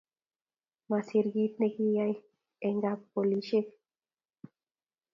Masir kit nekiyayak en kap polishek